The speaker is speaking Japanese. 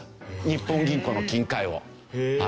日本銀行の金塊を。